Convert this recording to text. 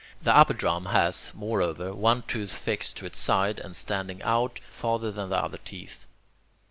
The upper drum has, moreover, one tooth fixed to its side and standing out farther than the other teeth.